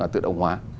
tự động hóa